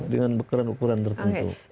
dengan ukuran tertentu